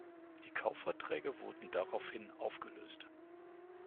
Die Kaufverträge wurden daraufhin aufgelöst.